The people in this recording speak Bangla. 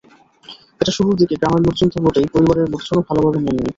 এটা শুরুর দিকে গ্রামের লোকজন তো বটেই, পরিবারের লোকজনও ভালোভাবে নেননি।